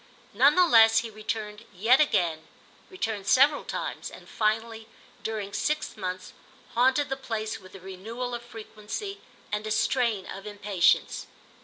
None the less he returned yet again, returned several times, and finally, during six months, haunted the place with a renewal of frequency and a strain of impatience.